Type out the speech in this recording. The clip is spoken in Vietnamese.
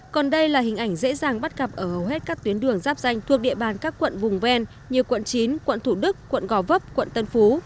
còn đây là hình ảnh dễ dàng bắt gặp ở hầu hết các tuyến đường giáp danh thuộc địa bàn các quận vùng ven như quận chín quận thủ đức quận gò vấp quận tân phú